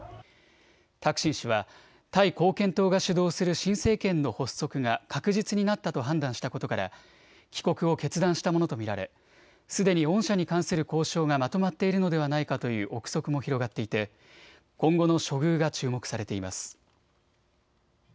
タクシン氏はタイ貢献党が主導する新政権の発足が確実になったと判断したことから帰国を決断したものと見られすでに恩赦に関する交渉がまとまっているのではないかという臆測も広がっていて今後の処遇が注目されています。